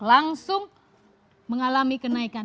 langsung mengalami kenaikan